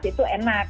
jelas itu enak